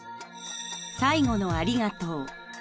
最後のありがとう。